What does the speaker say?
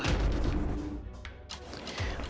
dan kenapa papa sembunyiin dari gua